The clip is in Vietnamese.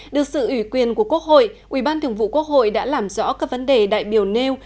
được sự ủy quyền của quốc hội ubth đã làm rõ các vấn đề đại biểu nêu